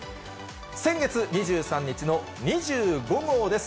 先月２３日の２５号です。